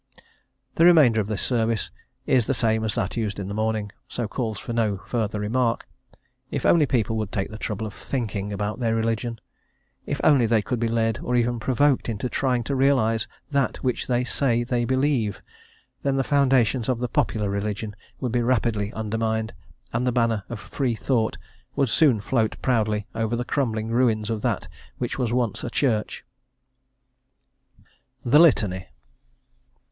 The remainder of the service is the same as that used in the morning, so calls for no further remark. If only people would take the trouble of thinking about their religion; if only they could be led, or even provoked, into trying to realise that which they say they believe, then the foundations of the popular religion would rapidly be undermined, and the banner of Freethought would soon float proudly over the crumbling ruins of that which was once a Church. THE LITANY.